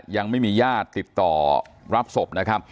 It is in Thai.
ยังไม่มีญาติติดต่อรับศพ